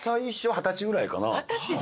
二十歳で？